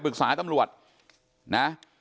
ปรึกษาตำรวจนะ